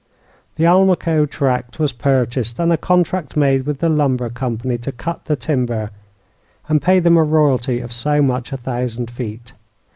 The Almaquo tract was purchased, and a contract made with the lumber company to cut the timber and pay them a royalty of so much a thousand feet.